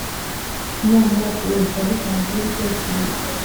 Inama y’Abaperezida yabitanzeho ibitekerezo